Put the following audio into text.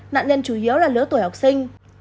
nạn nhân chủ yếu là lứa tuổi học sinh